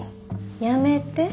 やめて。